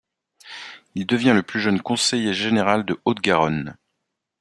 Il devient le plus jeune conseiller général de Haute-Garonne.